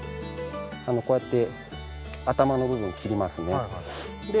こうやって頭の部分を切りますね。